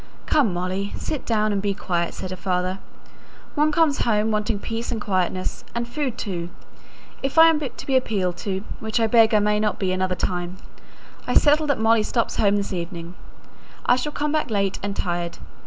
"Come, Molly! sit down and be quiet," said her father. "One comes home wanting peace and quietness and food too. If I am to be appealed to, which I beg I may not be another time, I settle that Molly stops at home this evening. I shall come back late and tired.